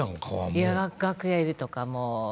いや楽屋入りとかもう。